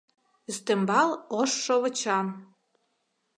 Ӱстембал ош шовычан.